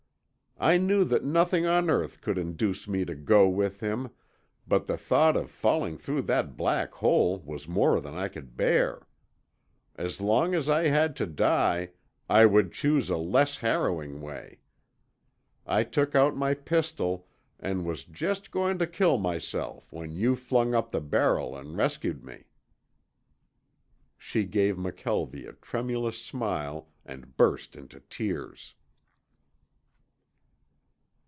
"I knew that nothing on earth could induce me to go with him, but the thought of falling through that black hole was more than I could bear. As long as I had to die I would choose a less harrowing way. I took out my pistol and was just going to kill myself when you flung up the barrel and rescued me." She gave McKelvie a tremulous smile and burst into tears.